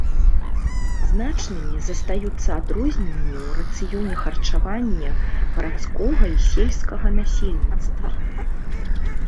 Значнымі застаюцца адрозненні ў рацыёне харчавання гарадскога і сельскага насельніцтва.